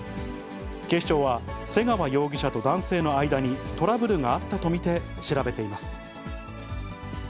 警視庁は、瀬川容疑者と男性の間にトラブルがあったと見て、調べています。